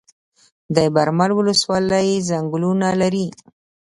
د برمل ولسوالۍ ځنګلونه لري